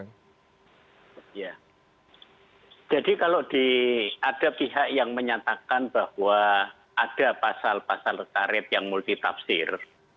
ya jadi kalau ada pihak yang menyatakan bahwa ada pasal pasal karet yang multitafsir